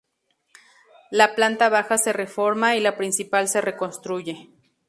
La planta baja se reforma y la principal se reconstruye.